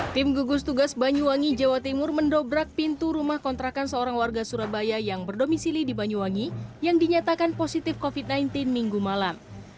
tim gugus tugas banyuwangi jawa timur mendobrak pintu rumah kontrakan seorang warga surabaya yang berdomisili di banyuwangi yang dinyatakan positif covid sembilan belas minggu malam